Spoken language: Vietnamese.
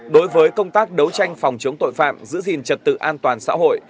đối với công tác đấu tranh phòng chống tội phạm giữ gìn trật tự an toàn xã hội